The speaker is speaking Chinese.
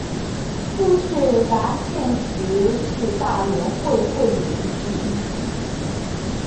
富士达现时是大轮会会员之一。